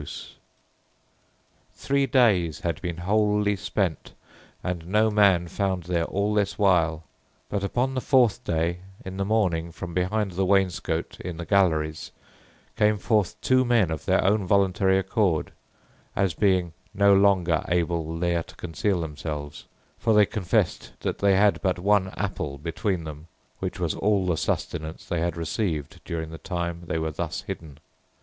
[Illustration: HINDLIP HALL, WORCESTERSHIRE] Three days had been wholly spent, and no man found there all this while; but upon the fourth day, in the morning, from behind the wainscot in the galleries, came forth two men of their own voluntary accord, as being no longer able there to conceal themselves; for they confessed that they had but one apple between them, which was all the sustenance they had received during the time they were thus hidden.